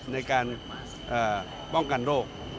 ในการป้องกันโรค